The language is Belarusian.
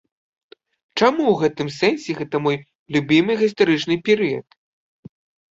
Чаму ў гэтым сэнсе гэта мой любімы гістарычны перыяд?